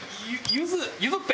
ゆずっぺ。